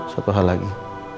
satu hal lagi